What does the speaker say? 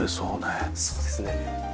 そうですね。